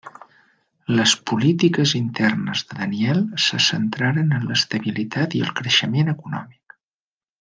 Les polítiques internes de Daniel se centraren en l'estabilitat i el creixement econòmic.